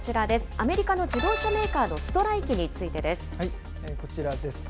アメリカの自動車メーカーのストライキにこちらです。